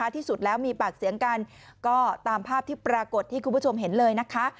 ที่สุดแล้วมีปากเสียงกันก็ตามภาพที่ปรากฏที่คุณผู้ชมเห็นเลยนะคะ